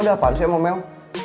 lo udah apaan sih sama mel